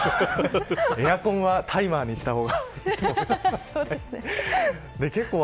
エアコンはタイマーにした方がいいと思います。